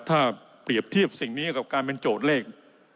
ถ้าเปรียบเทียบสิ่งนี้กับการเป็นโจทย์เลข